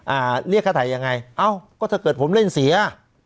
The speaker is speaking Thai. อ่าเรียกค่าถ่ายยังไงเอ้าก็ถ้าเกิดผมเล่นเสีย